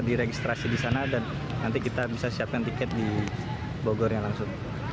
diregistrasi di sana dan nanti kita bisa siapkan tiket di bogornya langsung